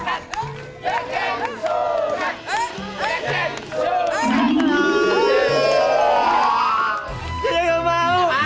jajan gak mau jajan gak mau